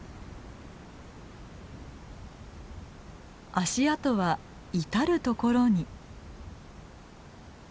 足跡は至る所に。